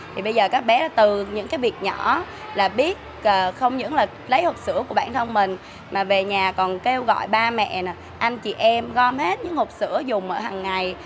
thì bây giờ các bé từ những cái việc nhỏ là biết không những là lấy hộp sữa của bản thân mình mà về nhà còn kêu gọi ba mẹ anh chị em gom hết những hộp sữa dùng hằng ngày